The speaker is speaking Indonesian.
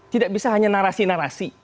tidak bisa hanya narasi narasi